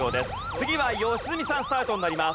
次は良純さんスタートになります。